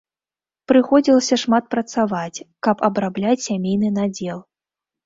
Прыходзілася шмат працаваць, каб абрабляць сямейны надзел.